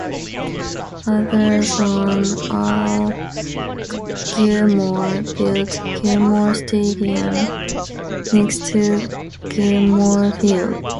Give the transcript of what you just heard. Arthur's son Earl Gilmore built Gilmore Stadium next to Gilmore Field.